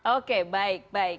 oke baik baik